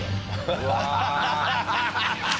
うわ。